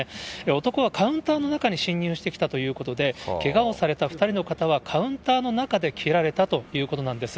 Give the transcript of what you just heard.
男はカウンターの中に侵入してきたということで、けがをされた２人の方は、カウンターの中で切られたということなんです。